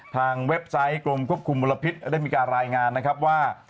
เว็บไซต์กรมควบคุมมลพิษได้มีการรายงานนะครับว่า